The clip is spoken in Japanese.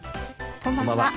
こんばんは。